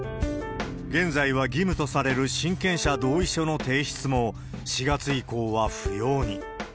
現在は義務とされる親権者同意書の提出も、４月以降は不要に。